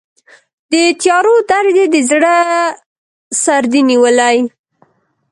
د تیارو درد یې د زړه سردې نیولی